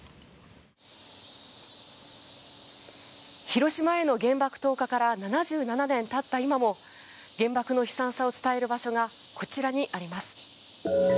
広島への原爆投下から７７年経った今も原爆の悲惨さを伝える場所がこちらにあります。